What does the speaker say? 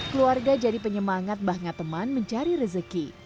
keluarga jadi penyemangat banga teman mencari rezeki